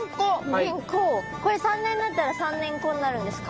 これ３年になったら３年子になるんですか？